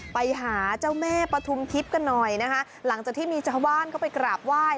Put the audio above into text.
ไปหาเจ้าแม่ปฐุมทิพย์กันหน่อยนะคะหลังจากที่มีชาวบ้านเข้าไปกราบไหว้